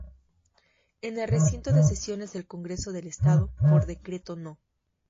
En el recinto de sesiones del Congreso del Estado, por decreto No.